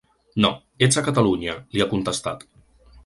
No, ets a Catalunya, li ha contestat.